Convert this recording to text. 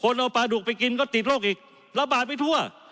เอาปลาดุกไปกินก็ติดโรคอีกระบาดไปทั่ว